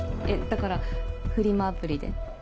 いやだからフリマアプリで。